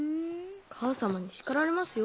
母様に叱られますよ。